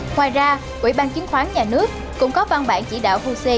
ngoài ra quỹ ban chính khoán nhà nước cũng có văn bản chỉ đạo hồ sê